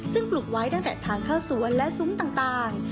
ซึ่งปลูกไว้ตั้งแต่ทางเข้าสวนและซุ้มต่าง